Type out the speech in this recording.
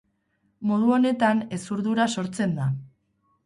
Modu honetan hezurdura sortzen da.